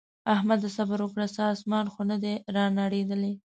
احمده! صبره وکړه څه اسمان خو نه دی رانړېدلی.